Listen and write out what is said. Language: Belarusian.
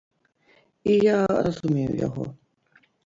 І я разумею яго.